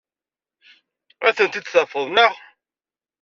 Ad ten-id-tafeḍ, naɣ?